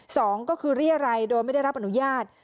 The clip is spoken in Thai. สองก็คือเรียรัยโดยไม่ได้รับอนุญาต